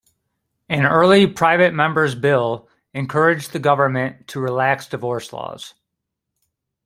An early private member's bill encouraged the government to relax divorce laws.